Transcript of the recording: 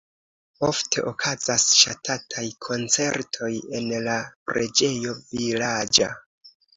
Ofte okazas ŝatataj koncertoj en la preĝejo vilaĝa.